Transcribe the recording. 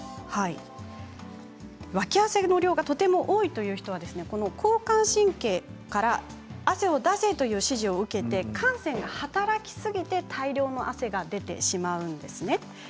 脇汗の量がとても多いという人は交感神経から汗を出せという指示を受けて汗腺が働きすぎて大量の汗が出てしまうんですね。